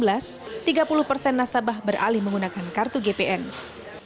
selanjutnya kartu anjungan tunai mandiri ini dapat digunakan dalam segala transaksi debit online maupun juga elektronik